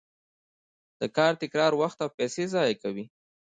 د کار تکرار وخت او پیسې ضایع کوي.